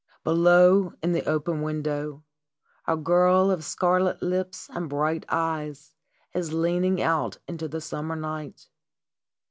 Below, in the open window, a girl of scarlet lips and bright eyes is leaning out into the summer night.